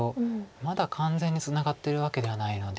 まだ完全にツナがってるわけではないので。